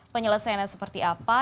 penyelesaiannya seperti apa